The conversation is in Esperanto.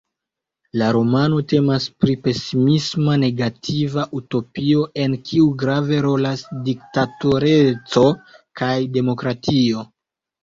La romano temas pri pesismisma negativa utopio en kiu grave rolas diktatoreco kaj demokratio.